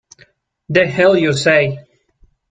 The hell you say!